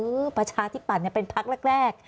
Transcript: เอ๋อประชาธิปัตย์เป็นภักดิ์แรก